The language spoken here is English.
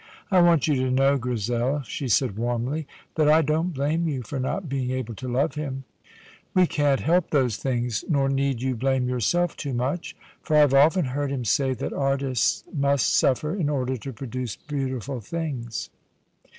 "I want you to know, Grizel," she said warmly, "that I don't blame you for not being able to love him; we can't help those things. Nor need you blame yourself too much, for I have often heard him say that artists must suffer in order to produce beautiful things."